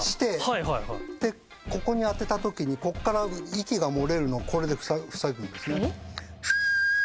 でここに当てた時にここから息が漏れるのをこれで塞ぐんですね。